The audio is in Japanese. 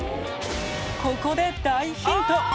ここで大ヒント。